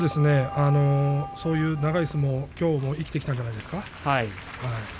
そういう長い相撲がきょうも、生きていたんじゃないですか。